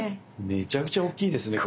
めちゃくちゃ大きいですね